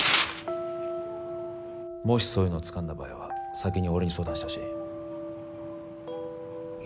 もしそういうのをつかんだ場合は先に俺に相談してほしい。